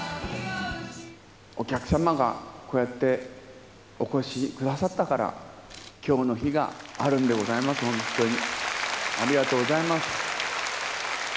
お客様がこうやってお越しくださったから、きょうの日があるんでございます、本当に。